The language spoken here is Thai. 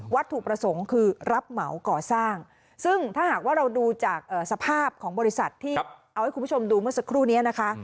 ถูกประสงค์คือรับเหมาก่อสร้างซึ่งถ้าหากว่าเราดูจากสภาพของบริษัทที่เอาให้คุณผู้ชมดูเมื่อสักครู่นี้นะคะ